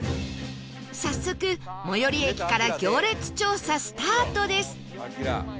早速最寄り駅から行列調査スタートです